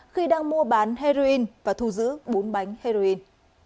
khi đang mua bán heroin và thu giữ bốn bánh heroin